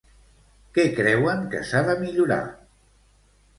Què creuen que s'ha de millorar?